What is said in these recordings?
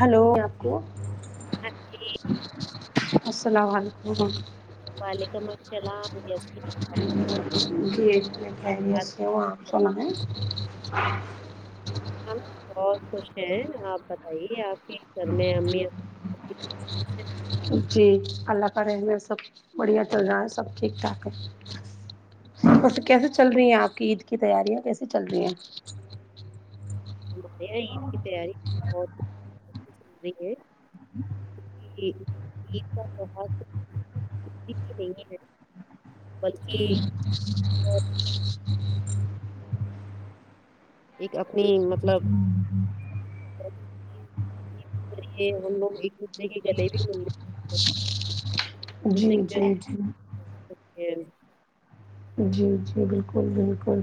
Hello اپی ہاں جی السلام علیکم وعلیکم السلام کیسی ہیں باجی جی میں خیریت سے ہوں آپ سنا ہے ہم بھی بہت خوش ہیں آپ بتائیے آپ کی گھر میں امی [inaudible] ہے جی اللہ کا رحم ہے سب بڑھیا چل رہا ہے سب ٹھیک ٹھاک ہے بس کیسے چل رہی ہیں آپ کی عید کی تیاریاں کیسے چل رہی ہیں ہمارے یہاں عید کی تیاری بہت ہی اچھی چل رہی ہے جی یہ تو بھوت [inaudible] نہیں ہے بلکہ [inaudible] ایک اپنی مطلب [inaudible] ہم لوگ ایک دوسرے کے گلے بھی مل لیتے جی جی جی [inaudible] جی جی بالکل بالکل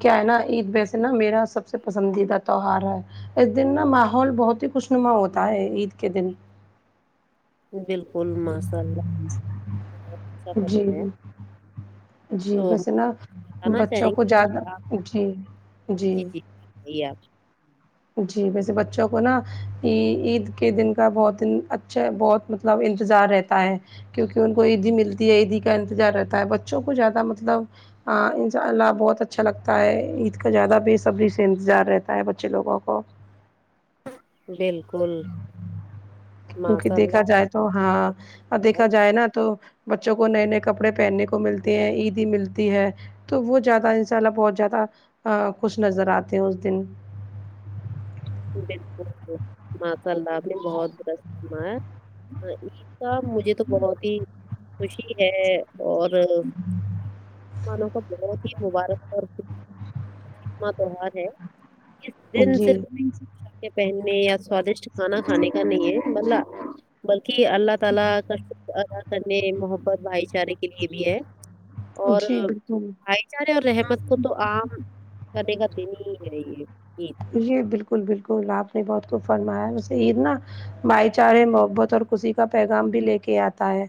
کیا ہے نا عید ویسے نا میرا سب سب سے پسندیدہ تہوار ہے اس دن نا ماحول بہت ہی خوش نما ہوتا ہے عید کے دن بالکل ماشاء اللہ اچھا جی فرمایا جی جی تو بس نا بتانا بچوں چاہیں کو گے زیادہ آپ جی جی صحیح ہے جی ویسے بچوں کو نا عید کے دن کا بہت دن اچھا بہت مطلب انتظار رہتا ہے کیونکہ ان کو عیدی ملتی ہے عیدی کا انتظار رہتا ہے بچوں کو زیادہ مطلب ہاں ان شاء اللہ بہت اچھا لگتا ہے عید کا زیادہ بےصبری سے انتظار رہتا ہے بچے لوگوں اور بالکل کیونکہ ماشاء دیکھا اللہ جائے تو ہاں اور دیکھا جائے نا تو بچوں کو نئے نئے کپڑے پہننے کو ملتے ہیں عیدی ملتی ہے تو وہ زیادہ ان شاء اللہ بہت زیادہ خوش نظر آتے ہیں اس دن بالکل [inaudible] آپ نے بہت درست کرمایا عید کا مجھے تو بہت ہی خوشی ہے اور مانوں کا بہت ہی مبارک اور خوش خورم ہے اس دل سے جی پہننے یا سوادشٹ کھانا کھانے کا نہیں ہے بدلا بلکہ اللہ تعالی کا شکر ادا کرنے محبت بھائی چارے کے لیے بھی ہے اور جی بالکل بھائی چارے اور رحمت کو تو عام کد کتے نہیں ہے یہ یہ یہ بالکل بالکل آپ نے بہت کو فرمایا اسے عید نہ بھائی چارے محبت اور خوشی کا پیغام بھی لے کے آتا ہے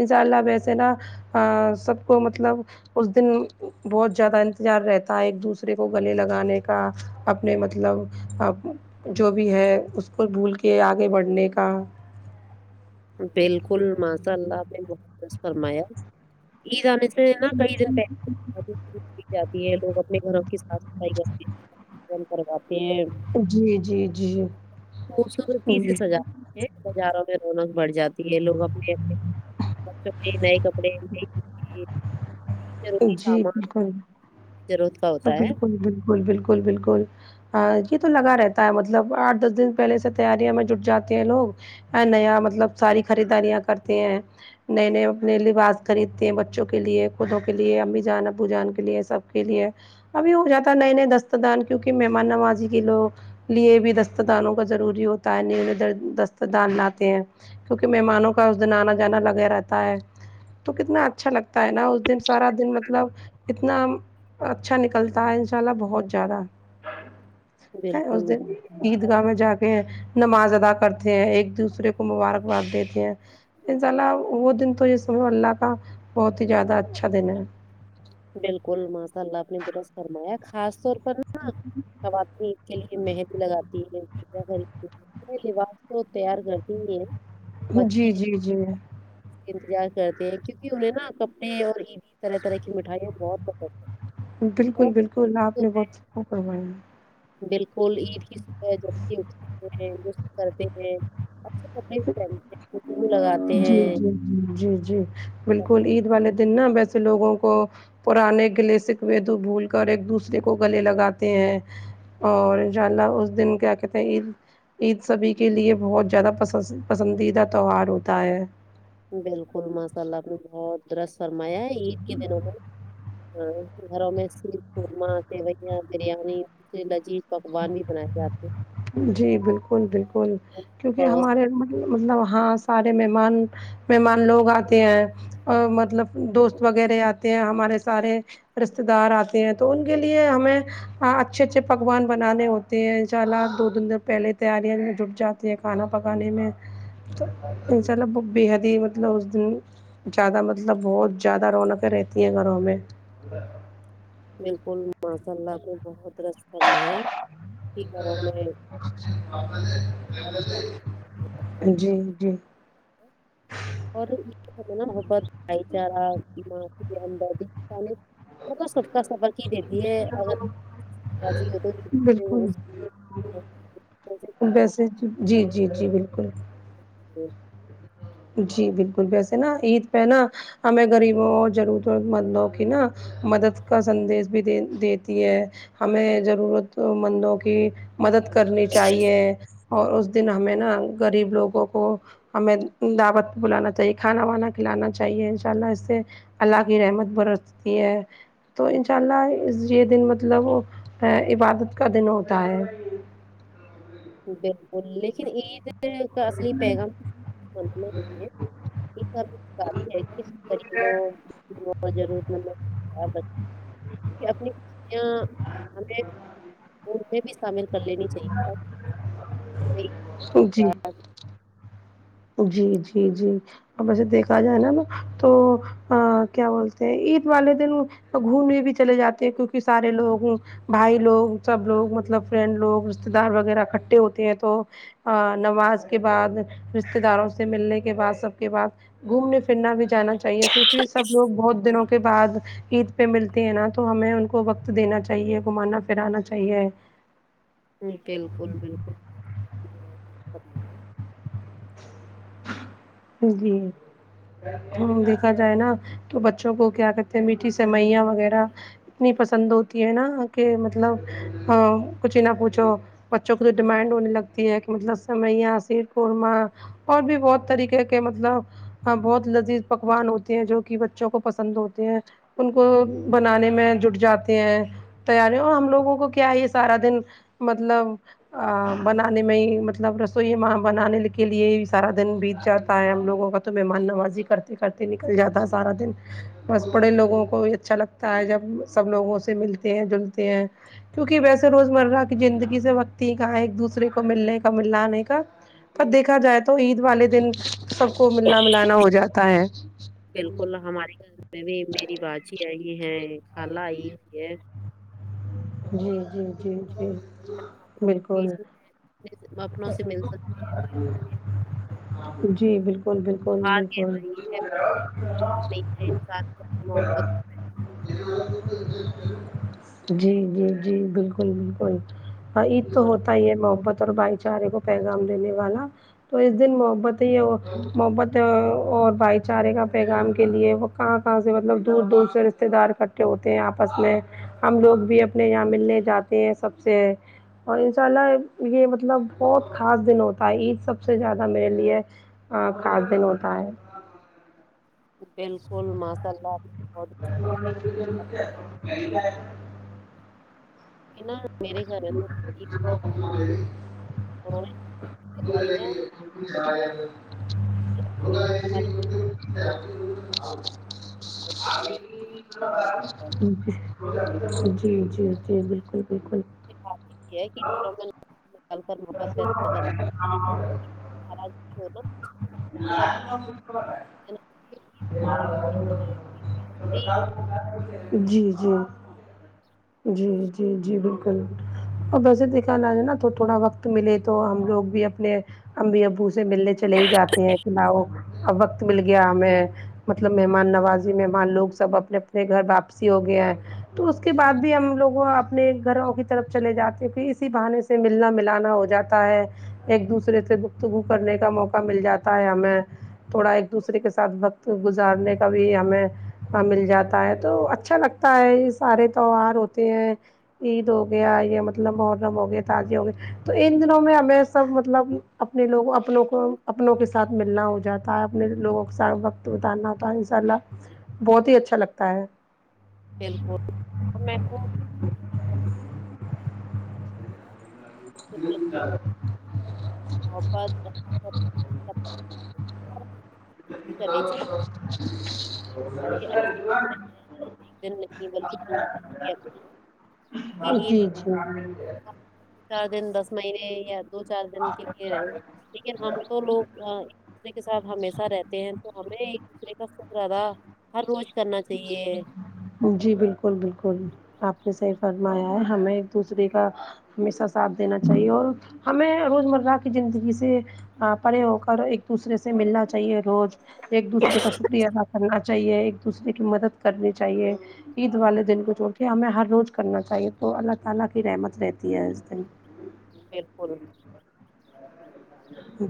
انشاء اللہ ویسے نا سب کو مطلب اس دن بہت زیادہ انتظار رہتا ہے ایک دوسرے کو گلے لگانے کا اپنے مطلب جو بھی ہے اس کو بھول کے آگے بڑھنے کا بالکل ماشاء اللہ نے درست فرمایا عید آ [unintelligible] کی جاتی ہے لوگ اپنے گھروں کی صاف صفائی کرتے ہیں کرواتے ہیں جی جی جی خوبصورتی سے جی سجات ہیں بازاروں میں رونق بڑھ جاتی ہے لوگ اپنے اپنے بچوں کے نئےکپڑے نہیں کتی ضروری جی سامان بالکل ضرت بالکل بالکل بالکل بالکل یہ تو لگا رہتا ہے مطلب آٹھ دس دن پہلے سے تیاریوں میں جٹ جاتے ہیں لوگ نیا مطلب ساری خریداریاں کرتے ہیں نئے نئے اپنے لباس خریدتے ہیں بچوں کے لیے خودوں کے لیے امی جان ابو جان کے لیے سب کے لیے ابھی ہو جاتا ہے نئے نئے دست دان کیونکہ مہمان نوازی کے لوگ لیے بھی دست دانوں کا ضروری ہوتا ہے نیو دست دان لاتے ہیں کیونکہ مہمانوں کا اس دن آنا جانا لگا رہتا ہے تو کتنا اچھا لگتا تا ہے نا اس دن سارا دن مطلب اتنا اچھا نکلتا ہے ان شاء اللہ بہت زیادہ ہے اس بالکل دن عید گاہ میں جا کے نماز ادا کرتے ہیں ایک دوسرے کو مبارک باد دیتے ہیں ان شاء اللہ وہ دن تو یہ سم اللہ کا بہت ہی زیادہ اچھا دن ہے بالکل ماشاء اللہ اپ نےدرست فرمایا خاص طور پر نا خواتین کے لیے مہندی لگاتی ہے خرید لباس تو تیار کرتی ہی ہیں جی بچے جی اس جی انتظار کرتے ہیں کیونکہ انہیں نا کپڑے اور عیدی طرح طرح کے کی مٹھائیاں بہت پسند ہیں اور بالکل بالکل آپ نے صبح- بہت صحیح فرما یا بالکل عید کی صبح جلدی اٹھتے ہیں لطف کرتے ہیں اچھے کپڑے پہنتے خوشبو لگاتے جی ہیں جی جی جی جی بالکل عید والے دن نا ویسے لوگوں کو پرانے گلے شکوے تو بھول کر ایک دوسرے کو گلے لگاتے ہیں اور ان شاء اللہ اس دن کیا کہتے ہیں عید عید سبھی کے لیے بہت زیادہ پسند پسند پسندیدہ تہوار ہوتا ہے بالکل ماشاء اللہ آپ نے بہت درست فرمایا ہے عید کے دنوں میں ہاں گھروں میں شیر قورمہ سوئیاں بریانی عجیب عجیب پکوان بھی بنائے جاتے جی بالکل بالکل ہیں کیونکہ پڑوس ہمارے مطلب ہاں سارے مہمان مہمان لوگ آ تے ہیں اور مطلب دوست وغیرہ آ تے ہیں ہمارے سارے رشتے دار آتے ہیں تو ان کے لیے ہمیں ہا اچھے اچھے پکوان بنانے ہوتے ہیں انشاءاللہ دو دن د پہلے تیاریا میں جٹ جاتی ہیں کھانا پکانے میں تو انشاءاللہ بھت ہے دی مطلب اس دن زیادہ مطلب بہت زیادہ رونقیں رہتی ہیں گھروں میں اندر بالکل ماشاء اللہ آپ نے بہت درست فرمایا کہ گھروں میں جی جی اور نا وہ محبت بھائی چارہ ایمانداری ہمدردی موقع سب کا سبق ہی دیتی ہے اگر راضی ہو تو بالکل اس جیسے جی جی جی بالکل [unintelligible] جی بالکل ویسے نا عید پہ نا ہمیں غریبوں ضرورت مندوں کی نہ مدد کا سندیش بھی د دیتی ہے ہمیں ضرورت مندوں کی مدد کرنی چاہیے اور اس دن ہمیں نا غریب لوگوں کو ہمیں دعوت بلانا چاہیے کھانا وانا کھلانا چاہیے ان شاء اللہ اس سے اللہ کی رحمت برستی ہے تو ان شاء اللہ یہ دن مطلب ا عبادت کا دن ہوتا ہے بالکل لیکن عید کا اصلی پیغام [unintelligible] مندنا نہیں ہے ایک ادکا بھی اسی کری ہو وہ ضرور مطلب [unintelligible] کہ اپنی خوشیان ہمیں ان میں بھی شامل کر لینی چاہیے تا جی ہلو جی جی جی ا ویسے دیکھا جائے نا تو آں کیا بولتے ہیں عید والے دن گھومنے بھی چلے جاتے ہیں کیونکہ سارے لوگ بھائی لوگ سب لوگ مطلب فرینڈ لوگ رشتے دار وغیرہ اکٹھے ہوتے ہیں تو ا نماز کے بعد رشتے داروں سے ملنے کے بعد سب کے بعد گھومنے پھرنا بھی جانا چاہیے کیونکہ سب لوگ بہت دنوں کے بعد عید پہ ملتے ہیں نا تو ہمیں ان کو وقت دینا چاہیے گھومانا پھرانا چاہیے باکل بالکل بہت [unintelligible] جی ہ دیکھا جائے نا تو بچوں کو کیا کہتے ہیں میٹھی سمئیاں وغیرہ اتنی پسند ہوتی ہے نا کہ مطلب ہاں کچھ نہ پوچھو بچوں کو تو ڈیمانڈ ہونے لگتی ہے کہ مطلب سوایاں سرقورمہ اور بھی بہت طریقے کے مطلب ہ بہت لذیذ پکوان ہوتے ہیں جو کہ بچوں کو پسند ہوتے ہیں ان کو بنانے میں جٹ جاتے ہیں تیاریاں ہم لوگوں کو کیا ہے یہ سارا دن مطلب ا بنانے میں ہی مطلب رسوئی میں بنانے کے لیے سارا دن بیت جاتا ہے ہم لوگوں کا تو مہمان نوازی کرتے کرتے نکل جاتا ہے سارا دن بس پڑے لوگوں کو ہی اچھا لگتا ہے جب سب لوگوں سے ملتے ہیں جلتے ہیں کیونکہ ویسے روزمرہ کی زندگی سے وقت ہی کہاں ہے ایک دوسرے کو ملنے کا ملانے کا تب دیکھا جائے تو عید والے دن سب کو ملنا ملانا ہو جاتا ہے بلکل ہمارے گھر میں بھی میری باجی آئی ہے کھالہ آئی ہے جی جی جی جی جہاں آپ لوگ بلکل بیچ میں اپنے اپنوں سے مل سکتے ہیں بھائی چارے تو جی ہمارا بلکل بلکل تیوہار بلکل کہتا یہ ہے موحبت جی جی جی بلکل بلکل ہ عید تو اور ہوتا ہی ہے محبت اور بھائی چارے کو پیغام دینے والا تو اس دن محبت ہی محبت اور بھائی چارے کا پیغام کے لیے وہ کہاں کہاں سے مطلب دور دور سے رشتے دار اکٹھے ہوتے ہیں آپس میں ہم لوگ بھی اب اپنے یہاں ملنے جاتے ہیں سب سے اور ان شاء اللہ یہ مطلب بہت خاص دن ہوتا ہے عید سب سے زیادہ میرے لیے ہاں خاص دن ہوتا ہے بلکل ماسا اللہ ابھی بہوت [unintelligible] کے نا [unintelligible] [unintelligible] [unintelligible] ج میرے گھر میں تو نہیں، انہوں نے عید کی تیاریاں عید کی اب کے بارے میں بتایا کہ کیا ہوتا ہے۔ جی جی جی بلکل بلکل کے اتی ہے کہ چلو م [unintelligible] ہاں ناراضگی ہو نا اس کے بعد دینا چاہیے. یہ اصلی [unintelligible] جی جی جی جی جی بلکل اور ویسے دیکھا نہ ہے تو تھوڑا وقت ملے تو ہم لوگ بھی اپنے امی ابو سے ملنے چلے ہی جاتے ہیں کلاؤ اب وقت مل گیا ہمیں مطلب مہمان نوازی مہمان لوگ سب اپنے اپنے گھر واپسی ہو گئے ہیں تو اس کے بعد بھی ہم لوگ اپنے گھروں کی طرف چلے جاتے تھے اسی بہانے سے ملنا ملانا ہو جاتا ہے ایک دوسرے سے گفتگو کرنے کا موقع مل جاتا ہے ہمیں تھوڑا ایک دوسرے کے ساتھ وقت گزارنے کا بھی ہمیں مل جاتا ہے تو اچھا لگت کئی سارے تہوار ہوتے ہیں عید ہو گیا یا مطلب محرم ہو گیا تازی ہو گئے تو ان دنوں میں ہمیں سب مطلب اپنے لوگ اپوں کو اپنوں کے ساتھ ملنا ہو جاتا ہوتا ہے اپنے لوگوں کے ساتھ وقت بیتا نا ہوتا ہے ان شاء اللہ بہت ہی اچھا لگتا ہے بالکل اور میکو محبت رحمت [unintelligible] اور اور ہم کو کوشش بھی کرنی [unintelligible] چاہیے کہ یہ اچھی باتیں ہیں صرف ایک دن نہیں بلکہ پوری زندگی اپنائیں [unintelligible] کیونکہ عید جی کا جی تہوار دو چار دن دس مہینے یا دو چار دن کے لیے رہے لیکن ہم تو لوگ دوسرے کے ساتھ ہمیشہ رہتے ہیں تو ہمیں ایک دوسرے کا سک زدہ ہر روز کرنا چاہیے جی بالکل بالکل آپ نے صحیح فرمایا ہے ہمیں ایک دوسرے کا ہمیشہ ساتھ دینا چاہیے اور ہمیں روز مرہ کی زندگی سے پڑے ہو کر ایک دوسرے سے ملنا چاہیے روز ایک دوسرے کا شکریہ ادا کرنا چاہیے ایک دوسرے کی مدد کرنی چاہیے عید والے دن کو جو ہمیں ہر روز کرنا چاہیے تو اللہ تعالی کی رحمت رہتی ہے اس دن بلکل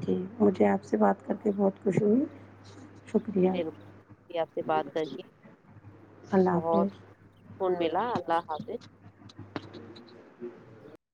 جی مجھے آپ سے بات کر کے بہت خوشی ہوئی شکریہ مجھے بھی بالکل آپ سے بات کر کے اللہ حافظ بہت سکون ملا اللہ حافظ